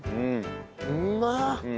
うまっ！